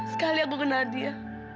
sekali aku kenal dia